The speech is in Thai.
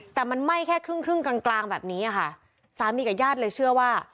แต่มันไหม้แค่ครึ่งครึ่งกลางกลางแบบนี้ค่ะสามีกับญาติเลยเชื่อว่า